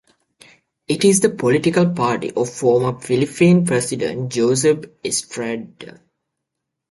It is the political party of former Philippine President Joseph Estrada.